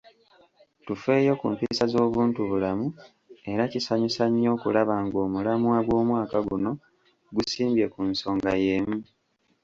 Tufeeyo ku mpisa z’obuntubulamu era kisanyusa nnyo okulaba ng’omulamwa gw’omwaka guno gusimbye ku nsonga yeemu.